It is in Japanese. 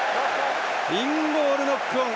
インゴールノックオン。